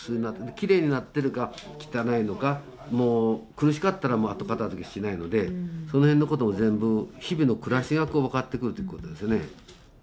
きれいになってるか汚いのかもう苦しかったらもう後片づけしないのでその辺のことも全部日々の暮らしが分かってくるということですよね。